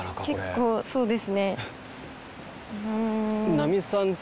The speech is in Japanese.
結構そうですね。